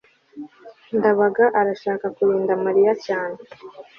ndabaga arashaka kurinda mariya cyane